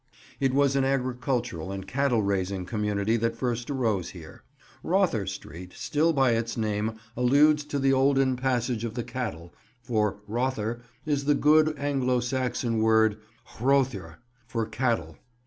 It was an agricultural and cattle raising community that first arose here. "Rother Street" still by its name alludes to the olden passage of the cattle, for "rother" is the good Anglo Saxon word "hroether," for cattle.